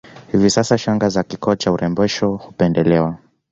Hivi sasa shanga za kioo cha urembesho hupendelewa